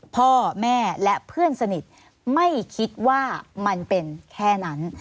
พ่อแม่และเพื่อนสนิทไม่คิดว่ามันเป็นแค่นั้น